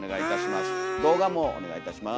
動画もお願いいたします。